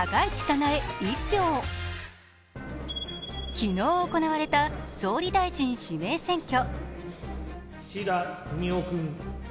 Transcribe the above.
昨日行われた総理大臣指名選挙。